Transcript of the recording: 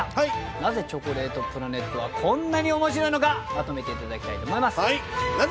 なぜチョコレートプラネットはこんなに面白いのかまとめていただきたいと思います。